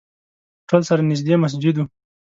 هوټل سره نزدې مسجد وو.